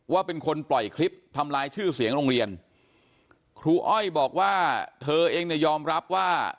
ว่าเป็นคนปล่อยคลิปทำลายชื่อเสียงโรงเรียนครูอ้อยบอกว่าเธอเองเนี่ยยอมรับว่า